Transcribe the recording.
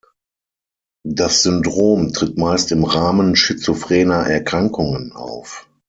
Das Syndrom tritt meist im Rahmen schizophrener Erkrankungen auf.